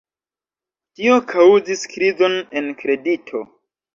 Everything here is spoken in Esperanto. Tio kaŭzis krizon en kredito.